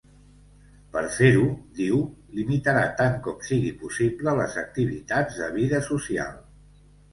Per fer-ho, diu, limitarà tant com sigui possible les activitats de vida social.